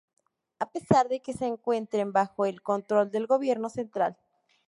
A pesar de que se encuentren bajo el control del gobierno central.